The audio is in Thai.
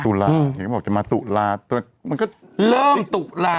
ตุลาเห็นก็บอกจะมาตุลามันก็เริ่มตุลา